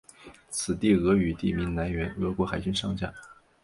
此地俄语地名来源俄国海军上将。